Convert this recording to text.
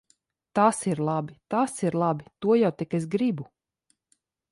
Tas ir labi! Tas ir labi! To jau tik es gribu.